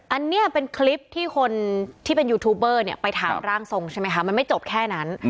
อันนี้เป็นคลิปที่คนที่เป็นยูทูบเบอร์ไปถามร่างทรงใช่ไหมคะมันไม่จบแค่นั้น